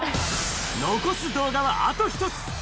残す動画はあと一つ。